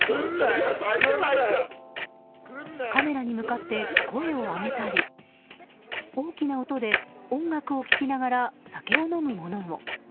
カメラに向かって声を上げたり大きな音で音楽を聴きながら酒を飲む者も。